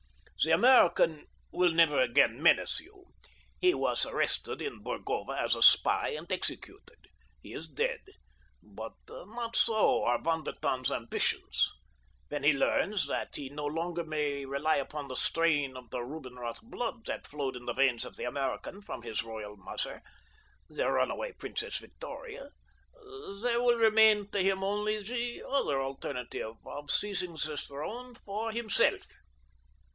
"The American will never again menace you—he was arrested in Burgova as a spy and executed. He is dead; but not so are Von der Tann's ambitions. When he learns that he no longer may rely upon the strain of the Rubinroth blood that flowed in the veins of the American from his royal mother, the runaway Princess Victoria, there will remain to him only the other alternative of seizing the throne for himself.